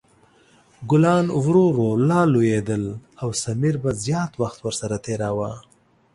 ګلان ورو ورو لا لویدل او سمیر به زیات وخت ورسره تېراوه.